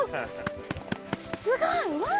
すごい！わお！